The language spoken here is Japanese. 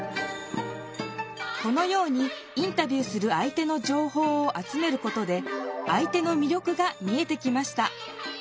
このようにインタビューする相手の情報を集めることで相手のみりょくが見えてきました。